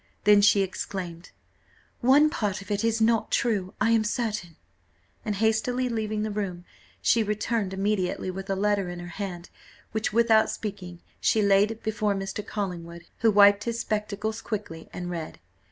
Then she exclaimed "One part of it is not true, I am certain:" and hastily leaving the room, she returned immediately with a letter in her hand, which, without speaking, she laid before Mr. Collingwood, who wiped his spectacles quickly, and read.